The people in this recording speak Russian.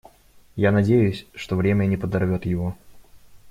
Я надеюсь, что время не подорвет его.